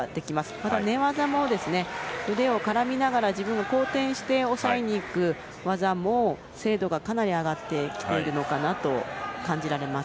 また寝技も腕を絡めながら自分が後転して抑えに行く技も、精度がかなり上がってきているのかなと感じられます。